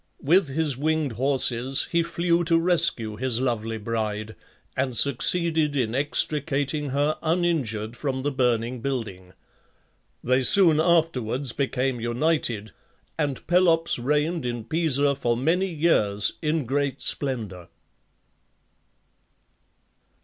With his winged horses he flew to rescue his lovely bride, and succeeded in extricating her uninjured from the burning building. They soon afterwards became united, and Pelops reigned in Pisa for many years in great splendour.